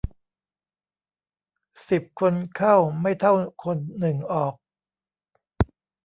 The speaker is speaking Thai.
สิบคนเข้าไม่เท่าคนหนึ่งออก